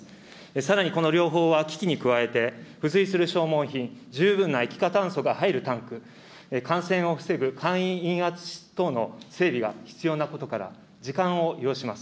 さらにこの療法は機器に加えて、付随する消耗品、十分な液化酸素が入るタンク、感染を防ぐ簡易陰圧室等の整備が必要なことから、時間を要します。